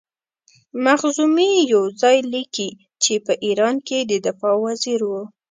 مخزومي یو ځای لیکي چې په ایران کې د دفاع وزیر وو.